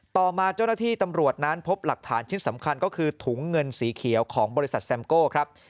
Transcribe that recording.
ต่อมาเจ้าหน้าที่ตำรวจนั้นพบหลักฐานชิ้นสำคัญก็คือถุงเงินสีเขียวของบริษัทแซมโก้ครับ